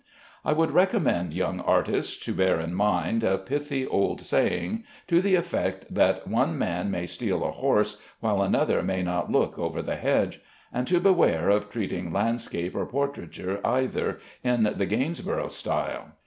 I would recommend young artists to bear in mind a pithy old saying, to the effect that "One man may steal a horse while another may not look over the hedge"; and to beware of treating landscape, or portraiture either, in the Gainsborough style.